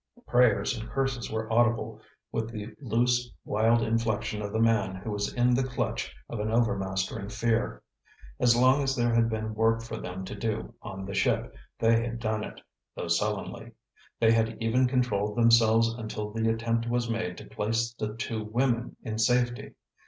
Prayers and curses were audible, with the loose, wild inflexion of the man who is in the clutch of an overmastering fear. As long as there had been work for them to do on the ship, they had done it, though sullenly; they had even controlled themselves until the attempt was made to place the two women in safety.